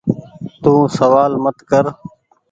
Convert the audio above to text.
تو سوآل مت ڪر ۔